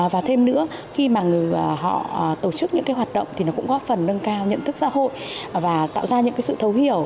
và thêm nữa khi mà họ tổ chức những cái hoạt động thì nó cũng góp phần nâng cao nhận thức xã hội và tạo ra những cái sự thấu hiểu